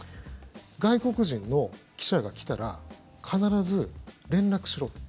外国人の記者が来たら必ず連絡しろと。